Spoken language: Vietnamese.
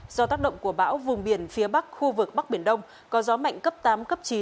do tác động của bão vùng biển phía bắc khu vực bắc biển đông có gió mạnh cấp tám cấp chín